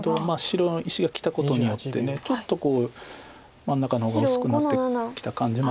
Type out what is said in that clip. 白石がきたことによってちょっと真ん中の方が薄くなってきた感じもあるんです。